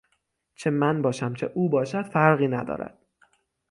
چه من باشم چه او باشد فرقی ندارد